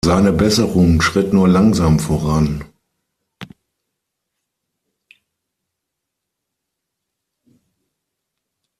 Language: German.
Seine Besserung schritt nur langsam voran.